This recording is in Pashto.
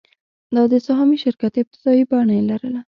دا د سهامي شرکت ابتدايي بڼه یې لرله.